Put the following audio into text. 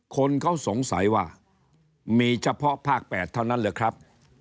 คนเขาสงสัยว่ามีเฉพาะภาค๘เท่านั้นเหรอครับ